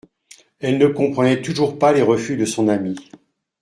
Elle, ne comprenait toujours pas les refus de son amie.